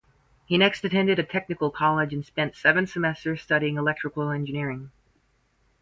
He next attended a technical college and spent seven semesters studying electrical engineering.